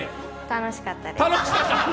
楽しかったです。